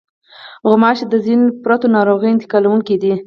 غوماشې د ځینو پرتو ناروغیو انتقالوونکې دي.